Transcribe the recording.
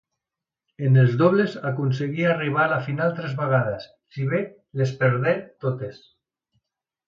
En els dobles aconseguí arribar a la final tres vegades, si bé les perdé totes.